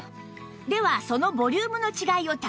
ではそのボリュームの違いを体験